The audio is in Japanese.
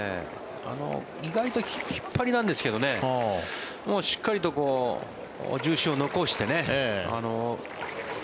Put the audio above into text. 意外と、引っ張りなんですけどねしっかりと重心を残して。